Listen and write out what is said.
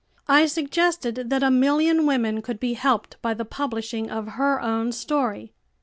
I suggested that a million women could be helped by the publishing of her own story.